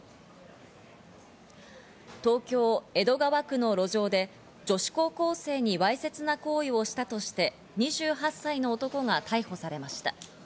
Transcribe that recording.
東京・江戸川区の路上で女子高校生にわいせつな行為をしたとして、２８歳の男が逮捕されました。